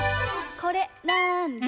これなんだ？